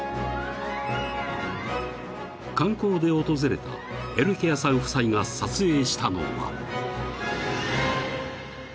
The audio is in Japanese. ［観光で訪れたエルケアさん夫妻が撮影したのは］